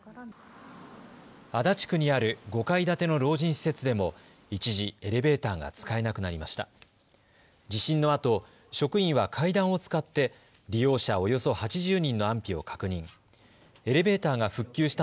足立区にある５階建ての老人施設でも一時、エレベーターが使えなくなりました。